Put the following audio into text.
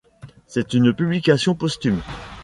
C'est une publication posthume.